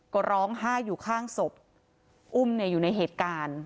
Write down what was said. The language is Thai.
ก็ร้องไห้อยู่ข้างศพอุ้มเนี่ยอยู่ในเหตุการณ์